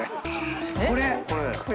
これ？